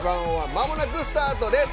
まもなくスタートです。